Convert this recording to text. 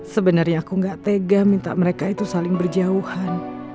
sebenarnya aku gak tega minta mereka itu saling berjauhan